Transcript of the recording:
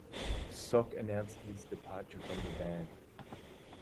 Sok announced his departure from the band.